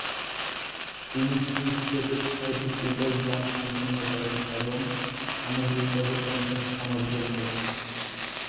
তিনি ফ্রি স্কেটে ছয়টি ট্রিপল জাম্প সম্পন্ন করেন এবং সামগ্রিকভাবে পঞ্চম স্থান অর্জন করেন।